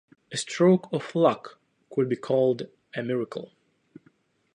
A stroke of luck could be called a miracle